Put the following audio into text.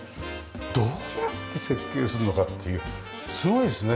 どうやって設計するのかっていうすごいですね